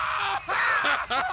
アハハハハ！